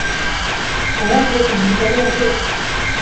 我要給你一個任務